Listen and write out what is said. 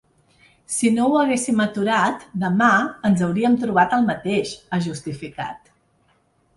Si no ho haguéssim aturat, demà ens hauríem trobat el mateix, ha justificat.